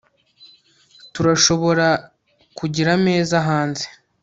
turashobora kugira ameza hanze